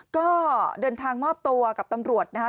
ก็เดินทางมอบตัวกับตำรวจนะครับ